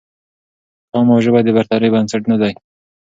قوم او ژبه د برترۍ بنسټ نه دي